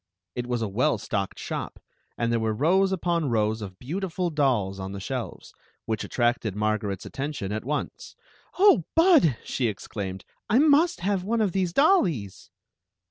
It was a well stocked shop, and there were rows upon rows of beautiful dolls on the shelves, which attracted Mar garet's attention at once. " Oh, Bud," she exclaimed, " I must have one of these dollies!